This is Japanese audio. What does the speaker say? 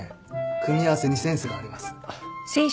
組み合わせにセンスがあります。